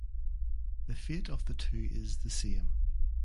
The fate of the two is the same.